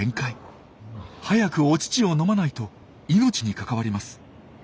早くお乳を飲まないと命にかかわります。